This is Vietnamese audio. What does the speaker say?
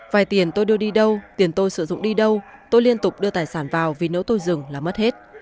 vài tiền tôi đưa đi đâu tiền tôi sử dụng đi đâu tôi liên tục đưa tài sản vào vì nếu tôi dừng là mất hết